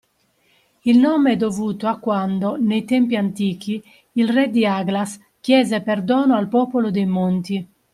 Il nome è dovuto a quando, nei tempi antichi, il Re di Aglaas chiese perdono al popolo dei Monti